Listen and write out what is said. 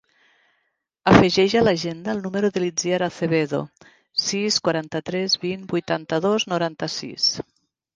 Afegeix a l'agenda el número de l'Itziar Acebedo: sis, quaranta-tres, vint, vuitanta-dos, noranta-sis.